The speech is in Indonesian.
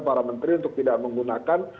para menteri untuk tidak menggunakan